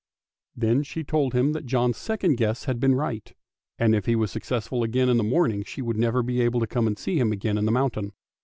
Then she told him that John's second guess had been right, and if he was successful again in the morning she would never be able to come and see him again in the mountain.